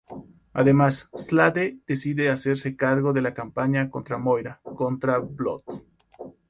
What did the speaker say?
Además, Slade decide hacerse cargo de la campaña de Moira contra Blood.